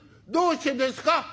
「どうしてですか！？」。